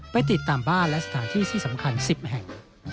ไปติดตามบ้านและสถานที่ที่สำคัญ๑๐แห่ง